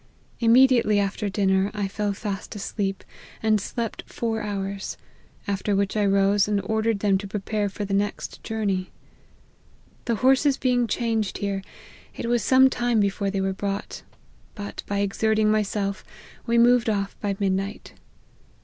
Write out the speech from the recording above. Immediately after dinner I fell fast asleep, and slept four hours ; after which I rose and order ed them to prepare for the next journey. The horses being changed here, it was some time before they were brought, but by exerting myself, we moved off by midnight.